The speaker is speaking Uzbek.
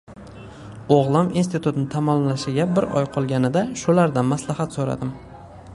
O`g`lim institutni tamomlashiga bir oy qolganida shulardan maslahat so`radim